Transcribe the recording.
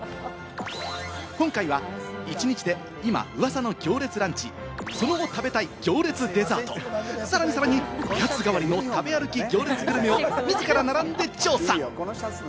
今回は一日で今うわさの行列ランチ、その後、食べたい行列デザート、さらにさらに、おやつ代わりの食べ歩き行列グルメを自ら並んで調査。